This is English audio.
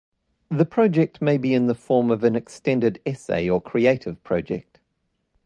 The project may be in the form of an extended essay or creative project.